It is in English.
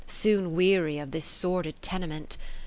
Soon weary of this sordid tenement.